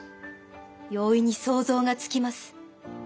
容易に想像がつきます。